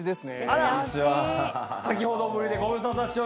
あら先ほどぶりでご無沙汰しております。